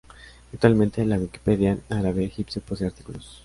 Actualmente, la Wikipedia en árabe egipcio posee artículos.